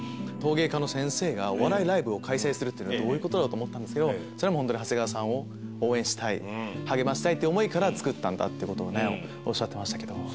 陶芸家の先生がお笑いライブを開催するってどういうことだと思ったんですけどそれはホントに長谷川さんを応援したい励ましたいっていう思いから作ったんだってことをおっしゃってましたけど。